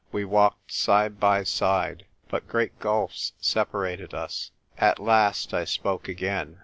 We walked side by side, but great gulfs separated us. At last I spoke again.